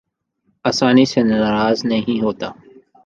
آسانی سے ناراض نہیں ہوتا